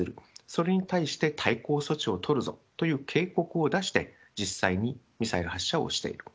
それに対して、対抗措置を取るぞという警告を出して、実際にミサイル発射をしている。